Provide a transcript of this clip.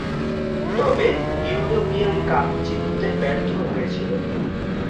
তবে, European cup জিততে ব্যর্থ হয়েছিল।